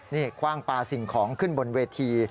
นี่คว่างปลาสิ่งของขึ้นบนเวที